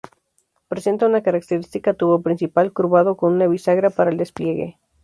Presenta un característico tubo principal curvado con una bisagra para el despliegue.